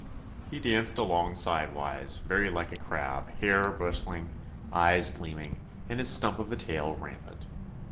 He danced along side wise, very like a crab, hair bristling, eyes gleaming, and his stump of a tail rampant.